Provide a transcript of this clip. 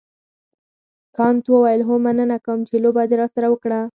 کانت وویل هو مننه کوم چې لوبه دې راسره وکړه.